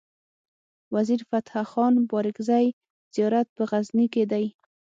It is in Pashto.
وزیر فتح خان بارګزی زيارت په غزنی کی دی